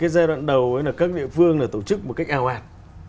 đầu đấy là các địa phương là tổ chức một cách ào hạt